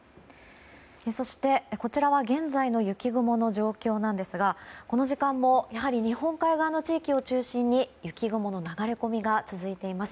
そして、こちらは現在の雪雲の状況なんですがこの時間も日本海側の地域を中心に雪雲の流れ込みが続いています。